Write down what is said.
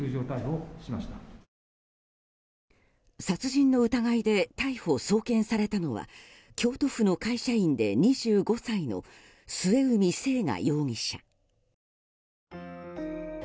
殺人の疑いで逮捕・送検されたのは京都府の会社員で２５歳の末海征河容疑者。